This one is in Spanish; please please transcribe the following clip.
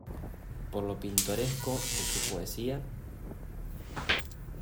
Por lo pintoresco de su poesía.